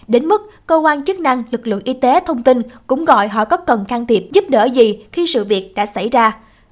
đến mức cơ quan chức năng lực lượng y tế thông tin cũng gọi họ có cần can thiệp giúp đỡ gì khi sự việc đã xảy ra